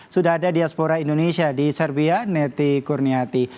sudah ada diaspora indonesia di serbia neti kurniati